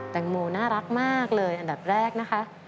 แตงโมน่ารักมากเลยอันดับแรกนะคะ